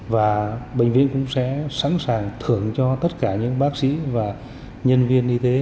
và bệnh viện cũng sẽ sẵn sàng thưởng cho tất cả những bác sĩ và nhân viên y tế